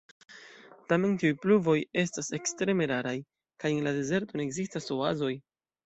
Tamen tiuj pluvoj estas ekstreme raraj, kaj en la dezerto ne ekzistas oazoj.